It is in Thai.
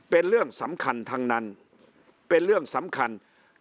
เป็นเรื่องสำคัญทั้งนั้นเป็นเรื่องสำคัญ